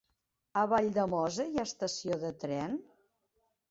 A Valldemossa hi ha estació de tren?